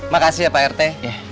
makasih ya pak rete